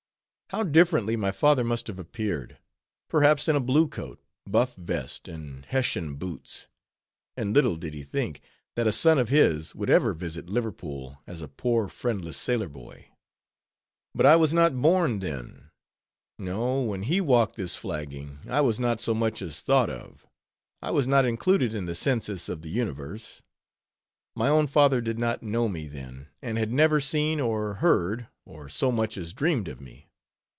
How differently my father must have appeared; perhaps in a blue coat, buff vest, and Hessian boots. And little did he think, that a son of his would ever visit Liverpool as a poor friendless sailor boy. But I was not born then: no, when he walked this flagging, I was not so much as thought of; I was not included in the census of the universe. My own father did not know me then; and had never seen, or heard, or so much as dreamed of me.